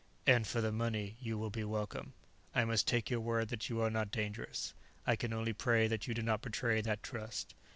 "And for the money, you will be welcome. I must take your word that you are not dangerous; I can only pray that you do not betray that trust."